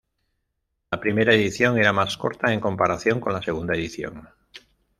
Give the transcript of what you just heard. La primera edición era más corta en comparación con la segunda edición.